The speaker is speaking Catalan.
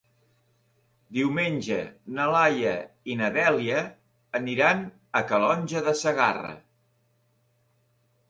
Diumenge na Laia i na Dèlia aniran a Calonge de Segarra.